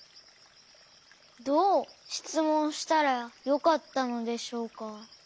どうしつもんしたらよかったのでしょうか。